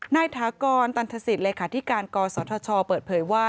นายฐากรตันทศิษฐ์และขาดธิการกศชเปิดเผยว่า